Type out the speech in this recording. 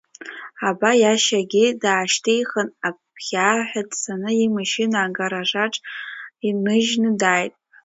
Аба, иашьагьы даашьҭихын, абӷьааҳәа дцаны имашьына агаражаҿ иныжьны дааит.